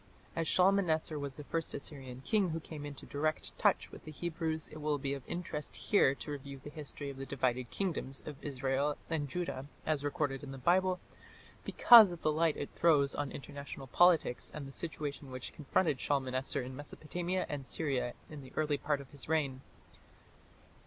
As Shalmaneser was the first Assyrian king who came into direct touch with the Hebrews, it will be of interest here to review the history of the divided kingdoms of Israel and Judah, as recorded in the Bible, because of the light it throws on international politics and the situation which confronted Shalmaneser in Mesopotamia and Syria in the early part of his reign.